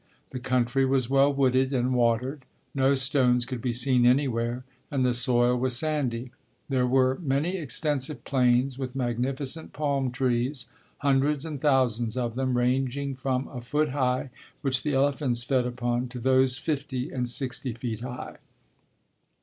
The country was well wooded and watered. No stones could be seen anywhere, and the soil was sandy. There were many extensive plains with magnificent palm trees, hundreds and thousands of them ranging from a foot high, which the elephants fed upon, to those fifty and sixty feet high.